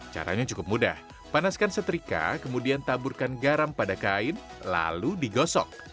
caranya cukup mudah panaskan setrika kemudian taburkan garam pada kain lalu digosok